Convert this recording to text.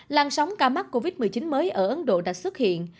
lan sóng ca mắc covid một mươi chín mới ở ấn độ đã xuất hiện